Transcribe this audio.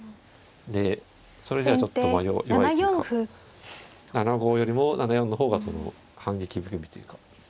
でそれではちょっと弱いというか７五よりも７四の方が反撃含みというか。